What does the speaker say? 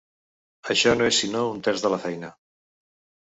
Això no és sinó un terç de la feina.